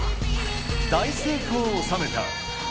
大成功を収めた。